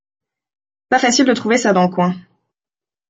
Pas facile de trouver ça dans le coin.